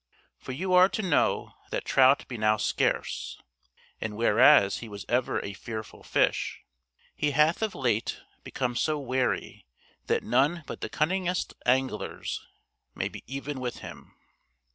For you are to know that trout be now scarce, and whereas he was ever a fearful fish, he hath of late become so wary that none but the cunningest anglers may be even with him.